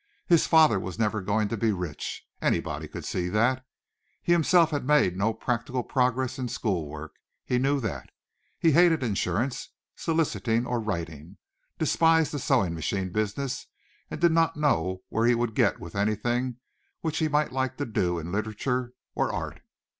His father was never going to be rich, anybody could see that. He himself had made no practical progress in schoolwork he knew that. He hated insurance soliciting or writing, despised the sewing machine business, and did not know where he would get with anything which he might like to do in literature or art.